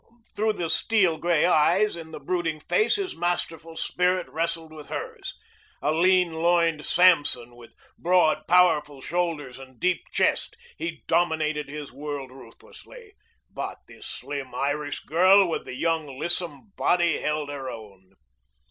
Through the steel gray eyes in the brooding face his masterful spirit wrestled with hers. A lean loined Samson, with broad, powerful shoulders and deep chest, he dominated his world ruthlessly. But this slim Irish girl with the young, lissom body held her own.